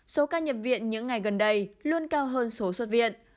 số ca nhập viện những ngày gần đây luôn cao hơn số xuất viện